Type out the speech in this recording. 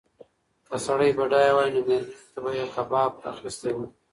که سړی بډایه وای نو مېرمنې ته به یې کباب اخیستی و.